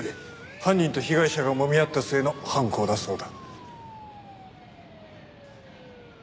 犯人と被害者がもみ合った末の犯行だそうだ。